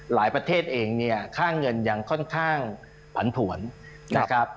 ประเทศเองเนี่ยค่าเงินยังค่อนข้างผันผวนนะครับ